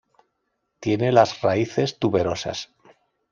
Tiene las raíces tuberosas.